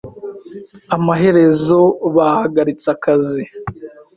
Amaherezo, bahagaritse akazi